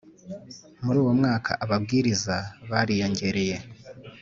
Muri uwo mwaka ababwiriza bariyongereye